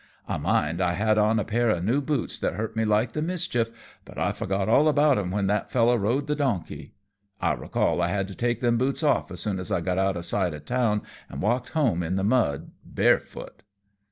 I mind I had on a pair of new boots that hurt me like the mischief, but I forgot all about 'em when that fellow rode the donkey. I recall I had to take them boots off as soon as I got out of sight o' town, and walked home in the mud barefoot."